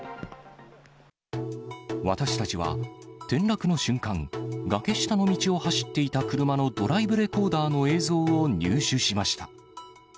私たちは転落の瞬間、崖下の道を走っていた車のドライブレコーダーの映像を入手しました。